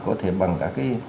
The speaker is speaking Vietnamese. có thể bằng cả cái